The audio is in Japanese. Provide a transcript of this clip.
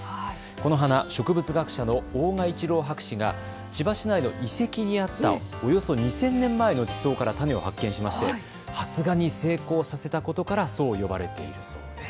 この花、植物学者の大賀一郎博士が千葉市内の遺跡にあったおよそ２０００年前の地層から種を発見しまして発芽に成功させたことからそう呼ばれているそうです。